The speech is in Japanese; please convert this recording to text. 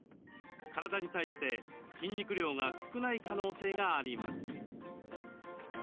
体に対して筋肉量が少ない可能性があります。